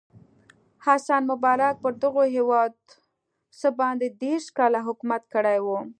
حسن مبارک پر دغه هېواد څه باندې دېرش کاله حکومت کړی و.